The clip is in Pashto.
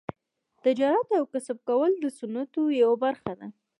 تجارت او کسب کول د سنتو یوه برخه ده.